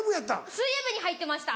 水泳部に入ってました。